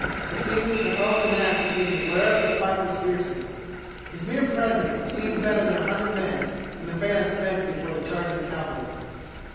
He seemed to own the knack of being wherever the fight was fiercest. His mere presence seemed better than a hundred men when the phalanx bent before charging cavalry.